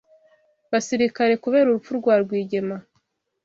basirikare kubera urupfu rwa Rwigema